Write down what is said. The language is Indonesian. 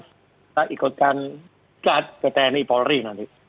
kita ikutkan cut ke tni polri nanti